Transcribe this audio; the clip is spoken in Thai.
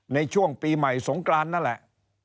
ในช่วงปีใหม่สงกรานนั่นแหละ